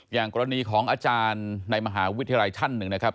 อย่างกรณีของอาจารย์ในมหาวิทยาลัยท่านหนึ่งนะครับ